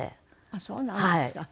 あっそうなんですか。